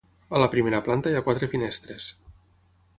A la primera planta hi ha quatre finestres.